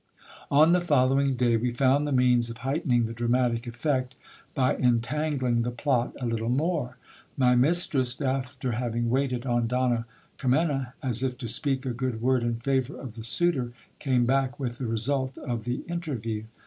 On the following day we found the means of heightening the dramatic effect by entan gling the plot a little more. My mistress, after having waited on Donna Kimena, as if to speak a good word in favour of the suitor, came back with the result of the interview.